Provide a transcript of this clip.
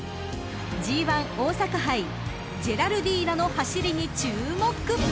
［ＧⅠ大阪杯ジェラルディーナの走りに注目］